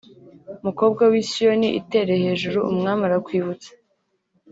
mukobwa w’i Siyoni itere hejuru umwami arakwibutse